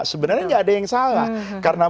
sebenarnya tidak ada yang salah karena